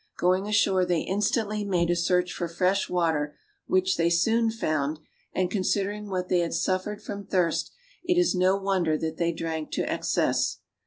Going ashore they instantly made a search for fresh water, which they soon found, and considering what they had suffered from thirst, it is no wonder that they drank to excess.